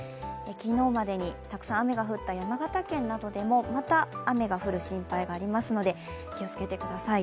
昨日までにたくさん雨が降った山形県などでもまた雨が降る心配がありますので気をつけてください。